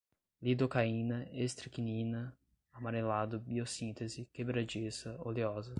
lidocaína, estricnina, amarelado, biossíntese, quebradiça, oleosa